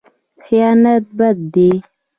خیانت بد دی.